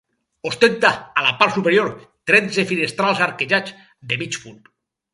Ostenta a la part superior tretze finestrals arquejats, de mig punt.